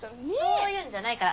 そういうんじゃないから。